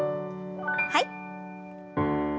はい。